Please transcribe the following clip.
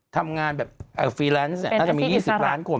ทำงานแบบฟรีแลนซ์น่าจะมี๒๐ล้านคน